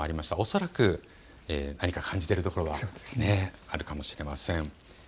恐らく何か感じているところがあるかもしれません。